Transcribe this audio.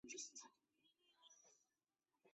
太田川是流经广岛县的一级河川之主流。